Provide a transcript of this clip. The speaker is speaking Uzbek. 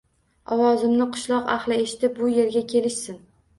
Ovozimni qishloq ahli eshitib, bu yerga kelishsin.